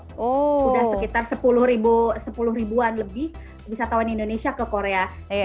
sudah sekitar sepuluh ribuan lebih wisatawan indonesia ke korea